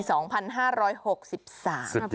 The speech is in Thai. สุดยอด